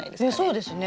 そうですね。